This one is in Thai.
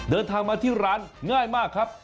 เดินทางมาที่ร้านง่ายมากครับ